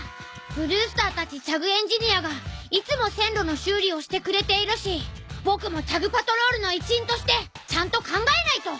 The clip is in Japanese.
ブルースターたちチャグ・エンジニアがいつも線路のしゅうりをしてくれているしぼくもチャグ・パトロールの一員としてちゃんと考えないと。